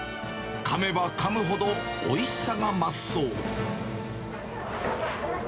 かめばかむほどおいしさが増すそう。